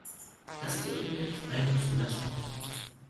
Das dürfen wir nicht weiter zulassen.